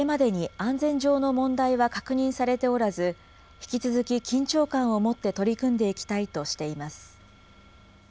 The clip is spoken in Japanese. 東京電力は、これまでに安全上の問題は確認されておらず、引き続き緊張感を持って取り組んでいきたいとしています。